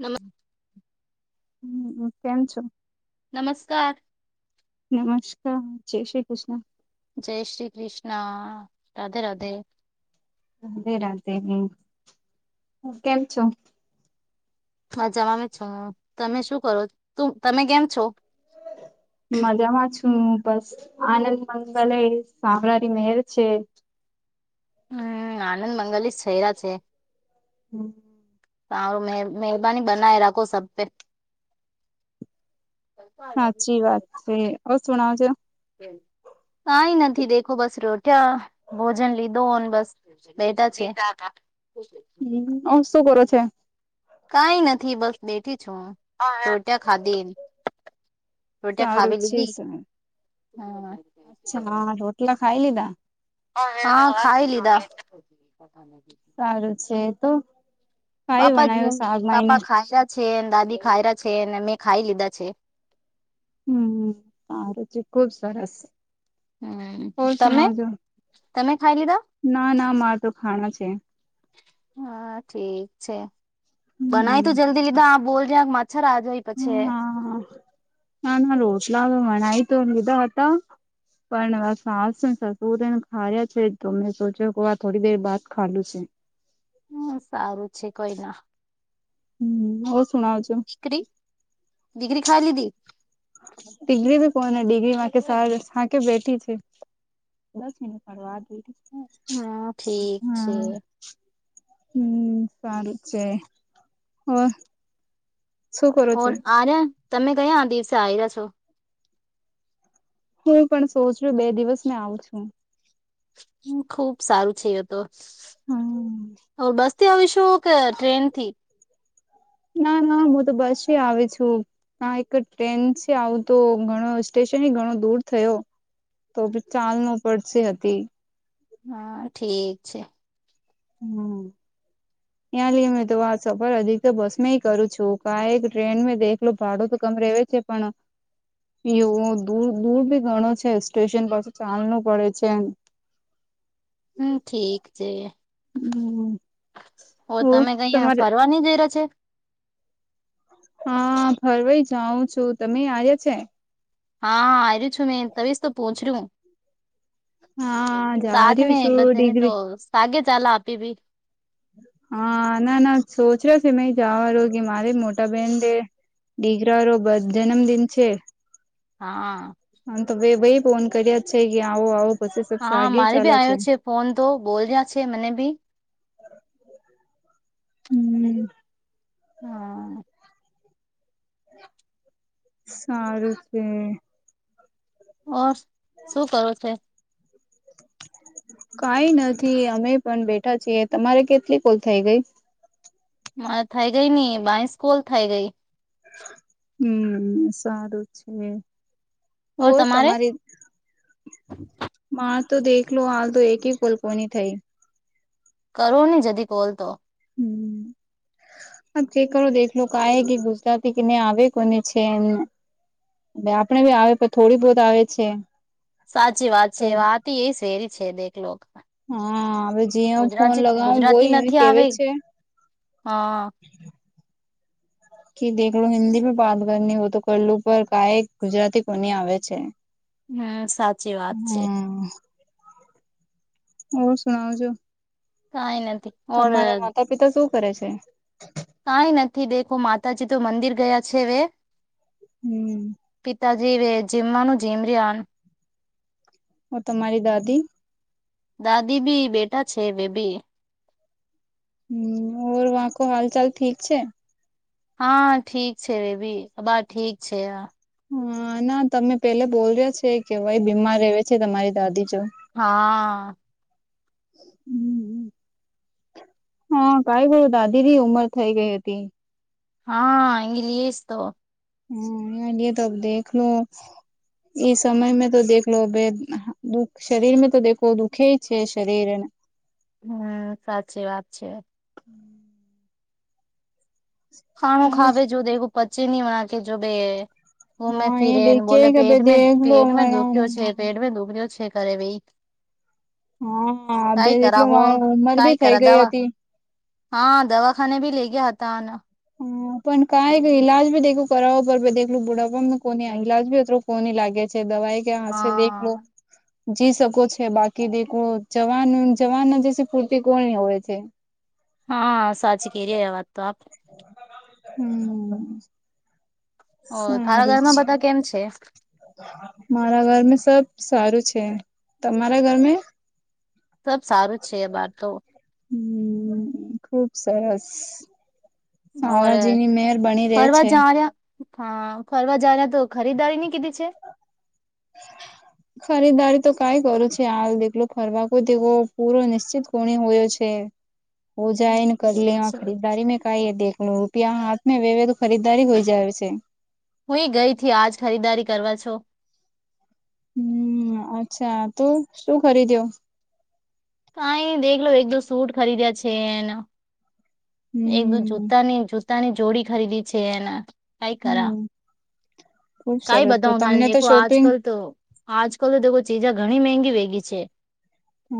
નમસ્ હમ કેમ છો? નમસ્કાર નમસ્કાર જય શ્રી કૃષ્ણ. જય શ્રી કૃષ્ણ રાધે રાધે રાધે રાધે હ કેમ છો હા જવામે છો તમે શું કરો તું તમે કેમ છો મજામાં છું હું બસ આનંદ મંગલય સામળા રી મેહેર છે હમ આનંદ મંગલીશ છેરા છે. હમ તું મહેરબાની બનાયે રાખો સબપે સાચી વાત છે ઓ સુણ છે કઈ નથી દેખો બસ રોટ્યા ભોજન લીધો બસ બેટા છે હા હમ અ શું કરો છે? કઈ નથી બસ બેઠી છું હું રોટ્યા ખાધી રોટિયા સારું ખાવી છે લીધી સારું હમ અચ્છા રોટલા ખાઈ લીધા હા ખાય લિદા સારું છે તો કઈ પાપા જેમ વણાયું શાકભાઈને પાપા ખાઈ રહ્યા છેને દાદી ખાઈ રહ્યા છેને મેં ખાઈ લીધા છે. હમ સારું છે ખુબ સરસ હમ ઓર તમે સુણાવજો તમે ખાય લીધા ના ના મારે તો ખાણા છે. હા ઠીક છે બનાય હમ તું જલ્દી લીધા આ બોલ જ અ્છ રા જોય પછી હા ના રોટલાા બનાય તો લિધા આતા પણ સાસને સસુરને ખા્યા છે તો સોચ્યો કે આ થોડી દેર બાદ ખાલુ છે હ સારું છે કોઈ ના હમ ઓ સુણાવ છો દિકરી દીકરી ખાલી ધી દીકરી બી કોને દીકરી સાસુ હારે કે બેઠી છે. [unintelligible] હમ ઠીક છે. હા હમ સારું છે હો હોર આ રહ્યા તમે કયા આ દિવસે આ રહ્યા છો. હું પણ સોચું બે દિવસ મે આવુ છું. ખુબ સારું છે એ તો હ બસ આવીશું ટ્રેન થી ના ના હું તો બસ આવી છું હા એક ટ્રેન છે આવું તો ઘણો સ્ટેશન ઘણો દૂર થયો તો બી ચાલ ન પડશે હતી હા ઠીક છે. હમ [inaudible] ત્યાં લઈ મે તો આ સફર અધિક તો બસ માં કરું છું ક ટ્રેન દેખલો ભાડો તો કમ રેવે છે. પણ એવું દૂર દૂર ભી ઘણો છે સ્ટેશન પાછ ચાલવ પડે છે. હમ ઠીક છે હમ ઓ ઓર તમે કઈ તમારે ફ [unintelligible] હા ફરવાઈ જાઉં છું તમે આવ્યા છે? હા હા આયરુ છું, ને તબીસ તો પૂછરી હું. હા જા સાથ રહ્યું મે છું બસ એની તો ડિગ્રી સાગે ચાલા આપી ભી. હા, ના ના સોચ રહ્યો છે મે જવા રોગે મારે મોટા બેન દે ડીગરા રો બ જનમદિન છે. હા. હ તો બે ભઈ ફોન કર્યા છે કે આવો આવો પછી સ હા આગે મારે બી ચાલે છે. આવ્યો ફોન તો બોલ રહ્યા છે મને બી હમ્મ. હા. સારું છે. ઓર શું કરું છે. કઈ નથી અમે પણ બેઠા છીએ તમારે કેટલી કોલ થઈ ગઈ? મારે થઈ ગઈ ની બાઈસ કોલ થઈ ગઈ. હમ્મ, સારું છે. હો ઓર તમારે તમારી માર તો દેખલો હાલ તો એક કોલ્પની થઈ. કરો ની જદી કોલ તો. હ ચેક કરો દેખલો કાએ એ કે ગુજરાતી કેને આવે કોને છે એને આપડે બી આવે પણ થોડી બહત આવે છે. સાચી વાત તો છે વાત તી એ સેરી છે દેખલો. હા હવે જે ફોન ગુજરાતી લગાવું ગુજરાતી ગોય એ નથી આવે કેવી છે. હા. કે દેખલું હિન્દી મે વાત કરની હોય તો કરલું પર કાઈ ગુજરાતી કોની આવે છે. હમ્મ સાચી વાત છે. ઓ સુનાવજો. કાઈ નથી. ઓર તમારા માતા પિતા શું કરે છે? કંઈ નથી દેખું માતાજી તો મંદિર ગયા છે વે. હમ્મ. પિતાજી વે જીમવાનું જીમ રહ્યાન. ઓ તમારી દાદી? દાદી ભી બેટા છે બેબી. હમ્મ વાકો હાલ ચાલ ઠીક છે? હા ઠીક છે રેબી અબા ઠીક છે હ. હા ના તમે પેલા બોલ્યા છે કે ભાઈ બીમાર રવે છે તમારી દાદી જો. હા. હમ્મ હમ્મ. હા કઈ બી, દાદી બી ઉમર થઈ ગઈ હતી. હાં ઇંગ્લીસ તો હમ્મ, ન્યે તો દેખ લો. ઈ સમય મે તો દેખલો બે હ દુખ શરીર મે તો દેખો, દુખે છે શરીર. હમ્મ, સાચી વાત છે. હમ્મ. ખાણું ખાવે જો દેવું પચે નહી વણા કે જો બે. ઉમે હા એ ફિરે, ને દેખે બોલે કે પેટ મે દેખલો પેટ મે હા દુઃખયો છે પેટ મે દુઃખરો છે કરે ભઈ. હા, બે કઈ કરા જેટલું હો [unintelligible] ઉમર કઈ બી થઇ કરા ગઈ દવા હતી. હા દવાખાને ભી લઈ ગ્યા હતા આને. હા પણ કાઈ બી ઈલાજ ભી દેખું કરાવ પર દેખલું બુઢાપા ને કોની ઈલાજી અ [unintelligible] કોની લાગે. છે, દવાઈ ક્યાં હશે દેખ હા લો. જી શકો છે બાકી દ જવાન જવાન ના જે ફૂર્તિ કોની હોય છે હા સાચી કે ર વાત તો આપ હમ ઓ થાર ઘરમાં બધા કેમ છે મારા ઘર મે સબ સારું છે તમારા ઘર મે સબ સારું જ છે બહાર તો હમ ખુબ સરસ ઓર સામળાજીની મેયર બની રહે ફરવા છે જા રહ્યા હા ફરવા જના તો ખરીદારી ની કીધી છે [inaudible] ખરીદારી તો કઈ કરું છે હાલ દલો ફરવા કોય તેવો પૂરો નિશ્ચિત કોણી હોયો છે [inaudible] હો જાય ને કર લે હ ખરીદદારી મે કઈ દેખ લું પ્યા હાથ વેવે તો ખરીદારી હોઈ જાય છે હું એ ગઈ થી આજ ખરીદારી કરવા છો હમ અચ્છા તોું શું ખરીદ્યો કઈ દેખલો એકદ સૂટ ખરીદ્યા છે એને એક દ હમ્મ જૂતાની જ પોતાની જોડી ખરીદી છે એને કઈ કરા હમ્મ ખુબ કઈ સરસ તો બતાવ ત તમને તો દેખો આજ શોપિંગ કલ તો આજ કલ તો ચીજા ઘણી મગી વેગી છે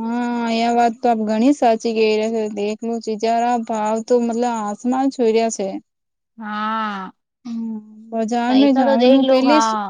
હા અંયા વાત તો આપ ઘણી સાચી કે ર છ દેલું ચીજારા ભાવ તો મતલબ સમાન છરી છે હા હમ્મ બજાર મે પૈસા તો દેખ જાવાનું લો પેલી હા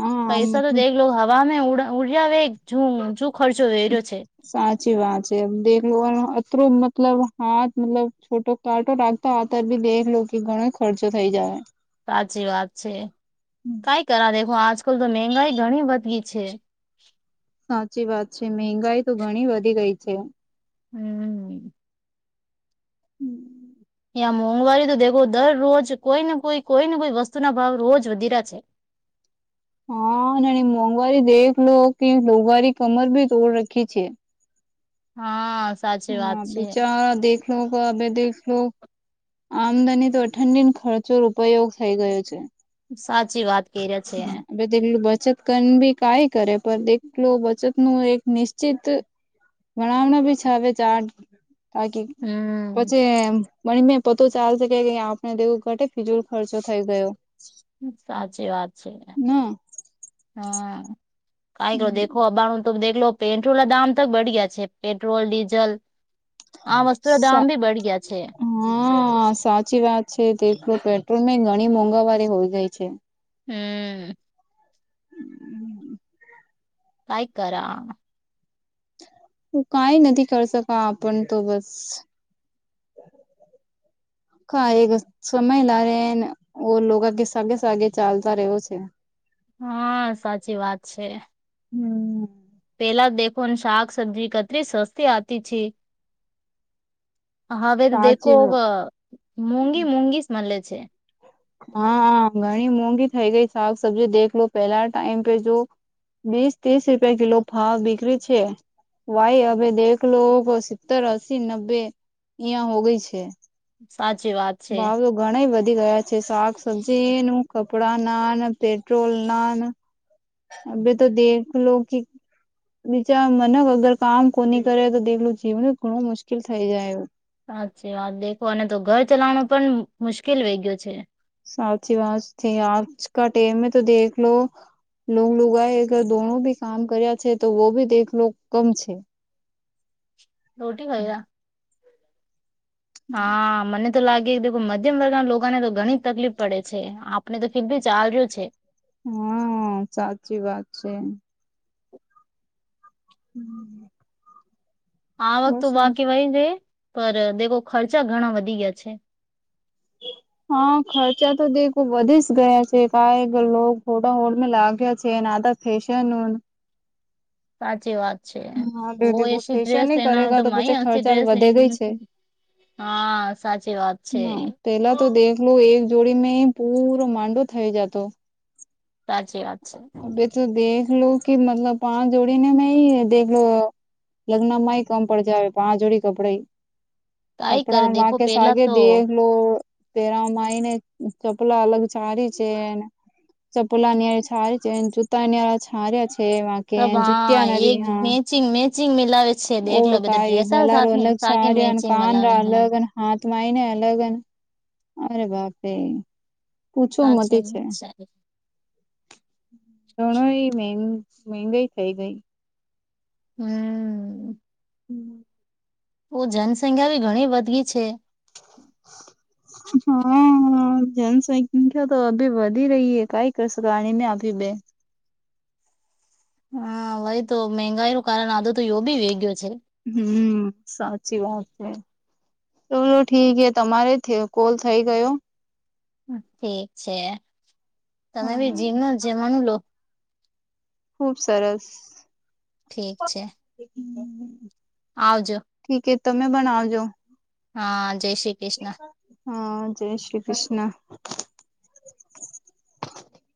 હા પૈસા તો મતલબ દેખ લો હવામાં ઉડ્યા વ જો ખર્ચો વે રહ્યો છે સાચી વાત છે દેખ અતરો મતલબ હાથ મતલબ છોટો ટાટો રાખતા આતાર બી દેખલો ઘણો ખર્ચો થઈ જાય સાચી વાત છે કઈ કર દેખો આજ કલ તો મંગાઈ ઘણી વધ ગી છે સાચી વાત છે મંગાઈ તો ઘણી વધી ગઈ છે હમ ત્યાં મોંઘવારી તો દેખો દરરોજ કોઈને કોઈ કોઈને કોઈ વસ્તુ ના ભાવ રોજ વધી રહ્યા છે હા ના મોંઘવારી દેખ લો કે મોઘવારી કમર ભી તોડ રખી છે હા સાચી હ વાત છે બીચારા દેખલો અ દેખલો આમદાની તો અઠંડીન ખર્ચો ઉપયોગ થઈ ગયો છે સાચી વાત કહી રહ્યા છે. હમ તેટલું બચત કર બી કઈ કરે પણ તેટલું બચત નું એક નિશ્ચિત ભણાવણા બી છે આવે ચાર બાાકી હમ. પછી મણી મેં પતું ચાલશે કે આપને દેવું ઘટે ફીજલ ખર્ચો થઈ ગયો સાચી વાત છે ના હા કઈકો દેખો અબાણ ત દેખ લો પેટ્રોલ ના દામ તોક બઢયા છે પેટ્રોલ ડીઝલ આ વસ્તુ ના સા દામ ભી બઢ ગયા છે હા સાચી વાત છે દલો પેટ્રોલ ઘણી મોંઘાવાળી હોય ગઈ છે હમ કઈ કર હ કઈ નથી કર શકા આપણ તો બસ [inaudible] કા એગ સમમેલા અરેન ઓ લોકો આ કે સાગે સાગે ચાલતા રહ્યો છે હા સાચી વાત છે હમ પેલા દેખો ને શાક સબ્જી કેટરી સસ્તી આવતી છે હવે તો દેખો સાચી મોઘી મુંઘીસ મળે છે હા ઘણી મોંઘી થઈઇ ગઈ શાક સબ્જી દેખ લો પેલા ટાઈમ પે જો વીસ ત્રીસ રૂપિયા કિલો ફાવ બીકરી છે ભાઈ હવે દેખલો સિત્તર અસી નબ્બે અિયાં હો ગઈ છે સાચી વાત છે ઘણી બધી ગયા છે શાક સબજી ન કપડા નાન પેટ્રોલ ના ન અભે તો દેખલો લો કે બીજા મન અગર કામ કોની કરે તો દેખલું જીવણ ઘણું મુશ્કેલ થઈ જાય એ સાચી વાત દેખો અને તો ઘર ચલાવનું પણ મુશ્કેલ વઈ ગયો છે સાચી વાત છે ઈ આજ કા ટેમ મે તો દેખ લો લ લગ આ અગ દોનો ભી કામ કર્યા છે તો વો ભી દેખ લો કમ છે રોટી ખાઈરા હા મને તો લાગે કે મધ્યમ વર્ગના લોકોને તો ઘણી તકલીફ પડે છે આપને તો ફી બી ચાલ્યું છે હમ સાચી વાત છે હમ આ વખત તો વાકીવાહી ર પર દેખો ખર્ચા ઘણા વધી ગયા છે [inaudible] હા ખર્ચા તો દેખો વધી જ ગયા છે ક હોોટા હોડ લાગ્યા છે ફેશન સાચી વાત છે હા વ બ્યુટી કો એસી ફેશિયલ ડ્રેસ નહી લેના કરેગા તો પછી હોય તોયસી ખર્ચા તો ડ્રેસ વધે ગઈ લેય છે. હા સાચી વાત છે હ પેલા તો દેખલું એક જોડી મે પૂરો માંડો થઈ જતો સાચી વાત છે અભે તો દેખ લો કે મતલબ પાચ જોડીને મે દેખલો લગ્ન માંય કમ પડ જ આવે પાંચ જોડી કપડાઈ કઈ કરે કપડા મા દેખો કે પેલા સાગે તો દેખ લો પેરા માઈ ને ચપલા અલગ સારી છે એમ ચપોલા નીય છારી છે જૂતા ળા છાર્યા છે વાકે જુત્યાનારી હા ઓ કઈ ગલાાર અલગ સાર કાનરા અલગ હા તો માય ને અલગ અરે બાપરે પૂછું સાચે મતી છે સારી ઘણ એ મેંગા મગાઈ થઇ ગઈ હમ હમ ઓ જનસંખ્યા બી ઘણી વધી છે [inaudible] હા જનસંખ્યા તો અભી વધી રહી હ કઈ કશણી ને અભી બે હા વાઈ તો મંગાઈ નું કારણ આજો તો યો બી વેગયો છે હમ સાચી વાત છે ચલો ઠીકે તમારે થયો કોલ થઈ ગયો ઠીક છે તમે બી હમ જીમનો જેમનું લો. ખુબ સરસ. ઠીક છે. હમ. આવજો. ઠીક એ તમે બનાજો. હા જય શ્રી કૃષ્ણ. હા જય શ્રી કૃષ્ણ.